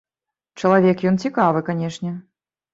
Чалавек ён цікавы, канечне.